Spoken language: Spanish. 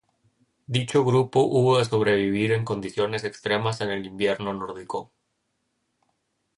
Dicho grupo hubo de sobrevivir en condiciones extremas el invierno nórdico.